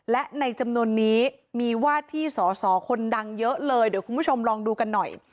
และในจำนวนนี้มีวาดที่สอสอคนดังเยอะเลยเดี๋ยวคุณผู้ชมลองดูกันหน่อย